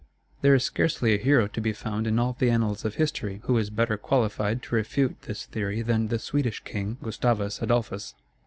There is scarcely a hero to be found in all the annals of history who is better qualified to refute this theory than the Swedish king, Gustavus Adolphus.